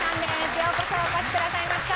ようこそお越しくださいました。